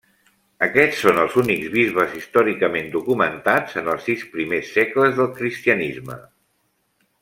Aquests són els únics bisbes històricament documentats en els sis primers segles del cristianisme.